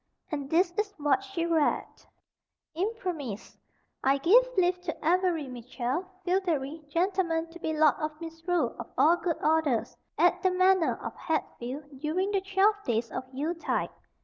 And this is what she read: Imprimis(1): I give leave to Avery Mitchell, feodary, gentleman, to be Lord of Misrule of all good orders, at the Manor of Hatfield, during the twelve days of Yule tide.